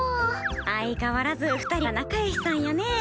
相変わらず２人は仲よしさんやね。